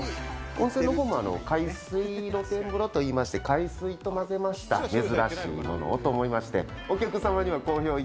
温泉のほうも海水露天風呂といいまして、海水と混ぜました珍しいものをと思いまして。